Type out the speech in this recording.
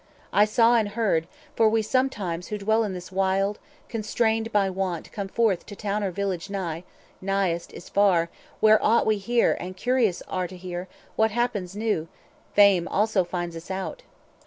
I saw and heard, for we sometimes 330 Who dwell this wild, constrained by want, come forth To town or village nigh (nighest is far), Where aught we hear, and curious are to hear, What happens new; fame also finds us out."